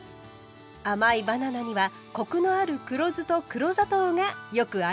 甘いバナナにはコクのある黒酢と黒砂糖がよく合います。